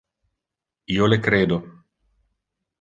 Io le credo.